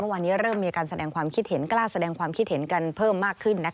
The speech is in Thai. วันนี้เริ่มมีการแสดงความคิดเห็นกล้าแสดงความคิดเห็นกันเพิ่มมากขึ้น